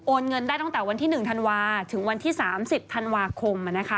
เงินได้ตั้งแต่วันที่๑ธันวาถึงวันที่๓๐ธันวาคม